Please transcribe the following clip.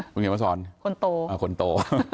เมื่อกี้มาสอนคนโต